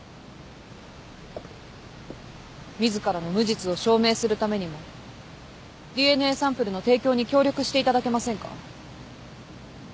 自らの無実を証明するためにもＤＮＡサンプルの提供に協力していただけませんか？